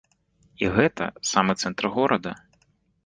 І гэта самы цэнтр горада.